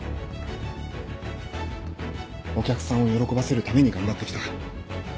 お客さんを喜ばせるために頑張ってきた。